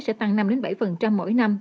sẽ tăng năm bảy mỗi năm